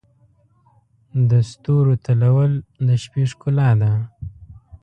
د ستورو تلؤل د شپې ښکلا ده.